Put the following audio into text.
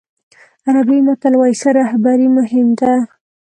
عربي متل وایي ښه رهبري مهم ده.